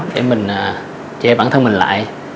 để mình chạy bản thân mình lại